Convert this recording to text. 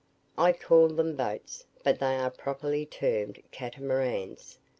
I call them boats, but they are properly termed catamarans.